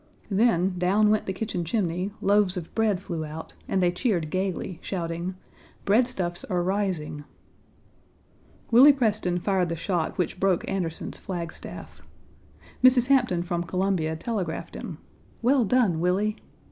Then down went the kitchen chimney, loaves of Page 43 bread flew out, and they cheered gaily, shouting, "Breadstuffs are rising." Willie Preston fired the shot which broke Anderson's flag staff. Mrs. Hampton from Columbia telegraphed him, "Well done, Willie!"